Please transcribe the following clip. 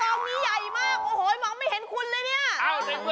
หาผู้โชคดีกะเด็จกว่า